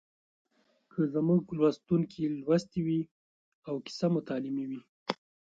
که زموږ لوستونکي لوستې وي او کیسه مو تعلیمي وي